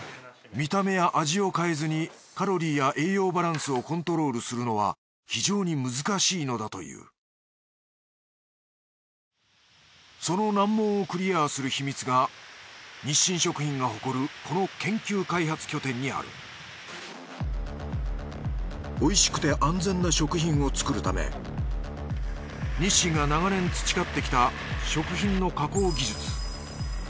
見た目や味を変えずにカロリーや栄養バランスをコントロールするのは非常に難しいのだというその難問をクリアする秘密が日清食品が誇るこの研究開発拠点にある美味しくて安全な食品を作るため日清が長年培ってきた食品の加工技術。